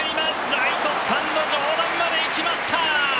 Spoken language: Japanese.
ライトスタンド上段まで行きました！